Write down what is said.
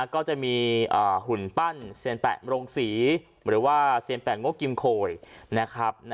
ก็จะมีหุ่นปั้นเซียนแปะโรงศรีหรือว่าเซียนแปะโงกกิมโคยนะครับ